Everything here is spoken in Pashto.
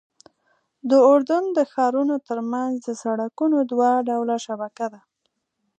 د اردن د ښارونو ترمنځ د سړکونو دوه ډوله شبکه ده.